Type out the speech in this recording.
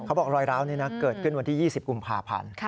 บอกรอยร้าวนี้นะเกิดขึ้นวันที่๒๐กุมภาพันธ์